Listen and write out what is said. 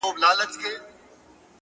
سري وخت دی؛ ځان له دغه ښاره باسه؛